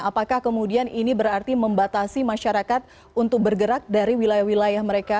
apakah kemudian ini berarti membatasi masyarakat untuk bergerak dari wilayah wilayah mereka